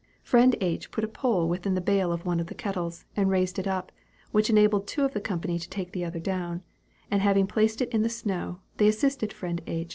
Friend H. put a pole within the bail of one of the kettles, and raised it up, which enabled two of the company to take the other down, and having placed it in the snow, they assisted friend H.